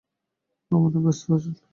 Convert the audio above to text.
Governor ব্যস্ত আছেন।